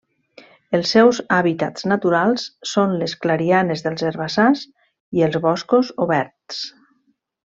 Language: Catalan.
Els seus hàbitats naturals són les clarianes dels herbassars i els boscos oberts.